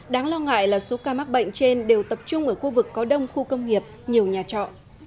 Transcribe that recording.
đáng lo ngại là số ca mắc bệnh trên đều tập trung ở khu vực có đông khu công nghiệp nhiều nhà trọ